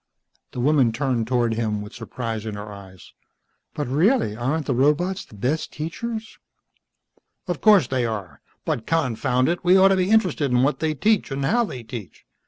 The woman turned toward him with surprise in her eyes. "But really, aren't the robots the best teachers?" "Of course they are. But confound it, we ought to be interested in what they teach and how they teach.